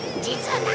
実は！？